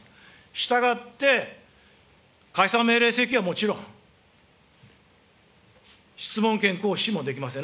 したがって解散命令請求はもちろん、質問権行使もできません。